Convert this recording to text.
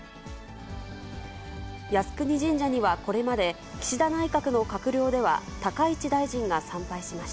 靖国神社にはこれまで岸田内閣の閣僚では、高市大臣が参拝しまし